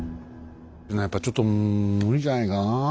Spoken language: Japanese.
やっぱりちょっと無理じゃないかなあ。